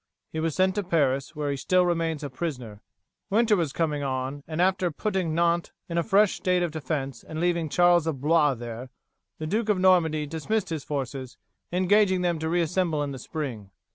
He was sent to Paris, where he still remains a prisoner. Winter was coming on, and after putting Nantes in a fresh state of defence and leaving Charles of Blois there, the Duke of Normandy dismissed his forces, engaging them to reassemble in the spring.